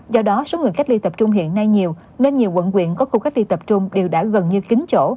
do đó số người cách ly tập trung hiện nay nhiều nên nhiều quận quyện có khu cách ly tập trung đều đã gần như kính chỗ